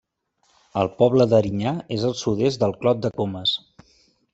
El poble d'Erinyà és al sud-est del Clot de Comes.